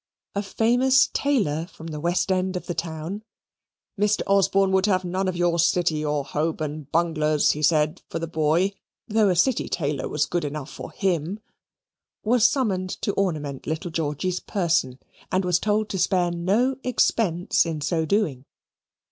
A famous tailor from the West End of the town Mr. Osborne would have none of your City or Holborn bunglers, he said, for the boy (though a City tailor was good enough for HIM) was summoned to ornament little George's person, and was told to spare no expense in so doing.